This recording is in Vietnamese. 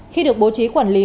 khi được bố trí quản lý